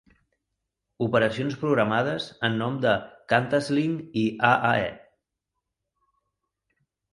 Operacions programades en nom de QantasLink i AaE.